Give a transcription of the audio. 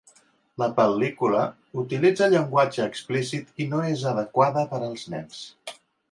La pel·lícula utilitza llenguatge explícit i no és adequada per als nens.